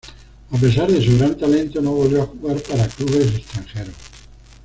A pesar de su gran talento, no volvió a jugar para clubes extranjeros.